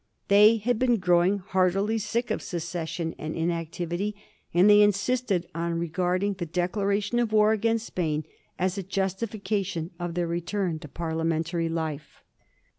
They had been growing heartily sick of secession and inactivity, and they insisted on regarding the declaration of war against Spain as a justification of their return to parliamentary life.